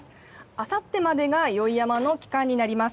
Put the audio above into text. あさってまでが宵山の期間になります。